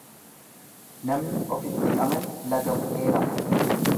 Namni ofitti amane laga bu'ee rafa.